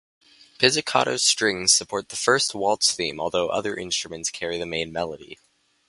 Pizzicato strings support the first waltz theme although other instruments carry the main melody.